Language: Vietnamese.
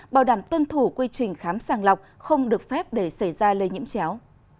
bảo đảm tuân thủ quy trình khám sàng lọc không được phép để xảy ra lây nhiễm chéo